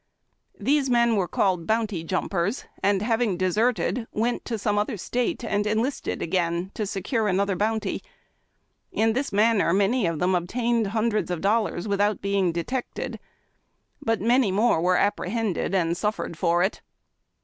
These men were called bounty jumpers, and, having deserted, went to some other State and enlisted again, to secure another bounty. In this manner many of them ob tained hundreds of dollars without beinsf detected ; but 162 HARD TACK AND COFFEE. many more were appreliended, and suffered for it.